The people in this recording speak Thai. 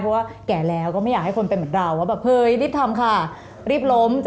เพราะว่าแก่แล้วก็ไม่อยากให้คนเป็นเหมือนเราว่าแบบเฮ้ยรีบทำค่ะรีบล้ม